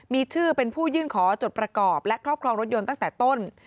มีชื่อเป็นผู้ยื่นขอจดประกอบและครอบครองรถยนต์ตั้งแต่ต้น